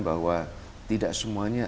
bahwa tidak semuanya